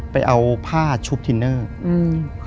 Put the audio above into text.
ไปเอาผ้าชุบทินเนอร์อืม